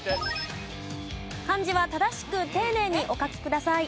漢字は正しく丁寧にお書きください。